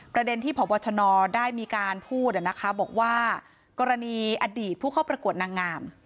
ประเด็นที่พบชนได้มีการพูดนะคะบอกว่ากรณีอดีตผู้เข้าประกวดนางงาม